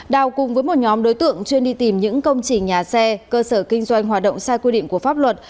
đào cùng với một nhóm đối tượng chuyên đi tìm những công trình nhà xe cơ sở kinh doanh hoạt động sai quy định của pháp luật